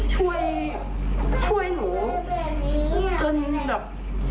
ช่วยหนูจนแบบ